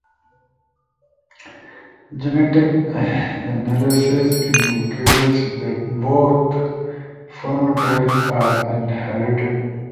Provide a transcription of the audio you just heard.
Genetic analysis indicates that both phenotypes are inherited as autosomal dominants.